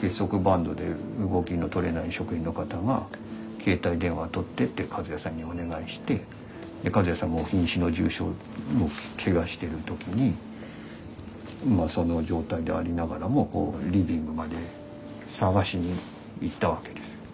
結束バンドで動きのとれない職員の方が携帯電話取ってって一矢さんにお願いして一矢さんもひん死の重傷けがしてる時にその状態でありながらもこうリビングまで探しに行ったわけですよ。